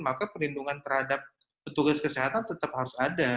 maka perlindungan terhadap petugas kesehatan tetap harus ada